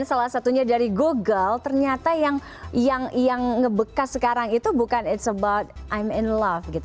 salah satunya dari google ternyata yang ngebekas sekarang itu bukan it's about i'm in love gitu